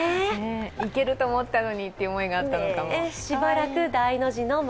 いけると思ったのにって思いがあったのかも。